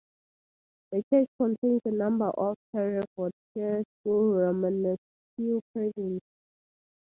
The church contains a number of Herefordshire School Romanesque carvings.